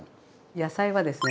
野菜はですね